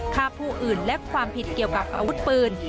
ฆ่าผู้อื่นและความผิดเกี่ยวกับอาวุธปืน